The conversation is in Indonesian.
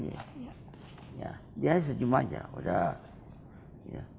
dia hanya sejumlah aja